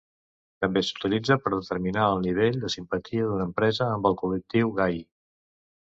També s'utilitza per determinar el nivell de simpatia d'una empresa amb el col·lectiu gai.